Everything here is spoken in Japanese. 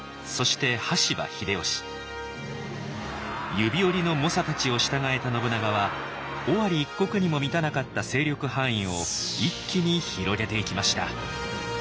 指折りの猛者たちを従えた信長は尾張一国にも満たなかった勢力範囲を一気に広げていきました。